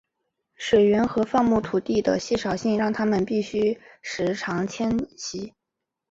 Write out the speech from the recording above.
水源和放牧土地的稀少性让他们必须时常迁徙。